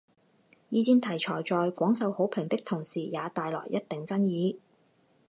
二战题材在广受好评的同时也带来一定争议。